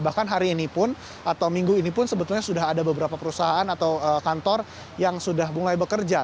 bahkan hari ini pun atau minggu ini pun sebetulnya sudah ada beberapa perusahaan atau kantor yang sudah mulai bekerja